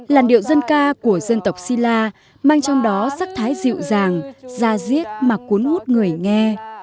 làn điệu dân ca của dân tộc si la mang trong đó sắc thái dịu dàng da giết mà cuốn hút người nghe